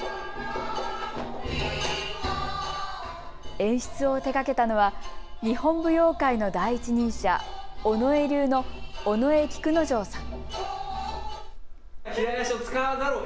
演出を手がけたのは日本舞踊界の第一人者、尾上流の尾上菊之丞さん。